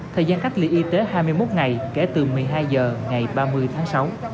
thời gian cách ly y tế hai mươi một ngày kể từ một mươi hai h ngày ba mươi tháng sáu